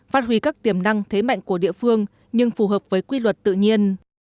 phát huy các tiềm năng thế mạnh của địa phương nhưng phù hợp với quy luật tự nhiên